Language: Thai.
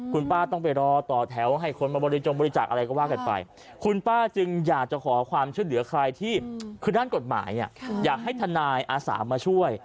คุณป้าต้องไปรอต่อแถวให้คนมาบริจงบริจาคอะไรก็ว่ากันไปคุณป้าจึงอยากจะขอความช่วยเหลือใครที่คือด้านกฎหมายอยากให้ทนายอาสามาช่วย